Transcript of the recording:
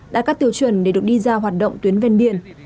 đã cắt tiêu chuẩn để được đi ra hoạt động tuyến ven biển